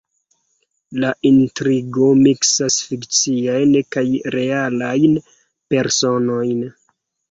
La intrigo miksas fikciajn kaj realajn personojn.